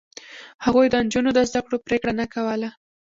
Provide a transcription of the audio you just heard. هغوی د نجونو د زده کړو پرېکړه نه کوله.